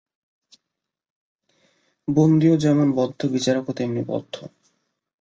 বন্দীও যেমন বদ্ধ, বিচারকও তেমনি বদ্ধ।